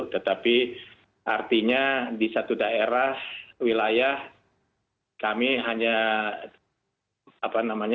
tetapi artinya di satu daerah wilayah kami hanya apa namanya